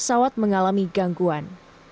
pesawat mengalami gangguan